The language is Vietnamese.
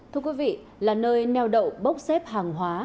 thưa quý vị là nơi neo đậu bốc xếp hàng hóa